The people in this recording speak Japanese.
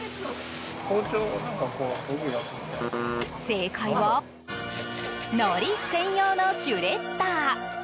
正解はのり専用のシュレッダー。